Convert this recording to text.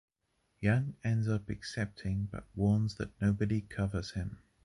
Young ends up accepting but warns that nobody covers him.